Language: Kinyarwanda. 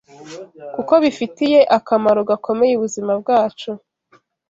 kuko bifitiye akamaro gakomeye ubuzima bwacu.